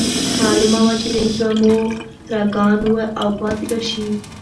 معلومه وه چې رييس به مورګان و او پاتې به شي